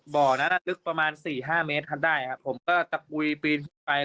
บ่อนั้นลึกประมาณ๔๕เมตรคันได้ครับผมก็ตะกุยปีนไป